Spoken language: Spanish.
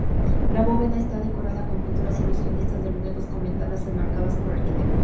La bóveda está decorada con pinturas ilusionistas de lunetos con ventanas enmarcadas por arquitectura.